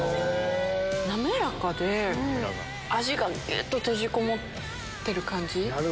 滑らかで味がぎゅっと閉じこもってる感じ。